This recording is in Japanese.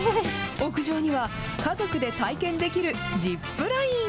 屋上には、家族で体験できるジップライン。